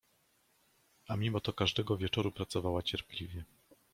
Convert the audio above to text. A mimo to każdego wieczoru pracowała cierpliwie.